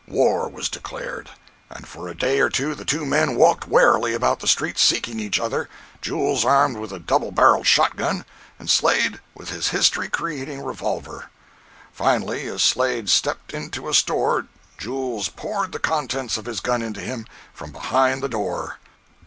War was declared, and for a day or two the two men walked warily about the streets, seeking each other, Jules armed with a double barreled shot gun, and Slade with his history creating revolver. Finally, as Slade stepped into a store Jules poured the contents of his gun into him from behind the door.